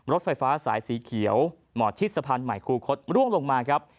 รถไฟฟ้าสายสีเขียวหมอชิดสะพานใหม่คูคศร่วงลงมาครับ